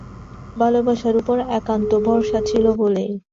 ভালোবাসার উপর একান্ত ভরসা ছিল বলেই।